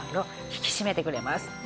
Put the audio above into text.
引き締めてくれます。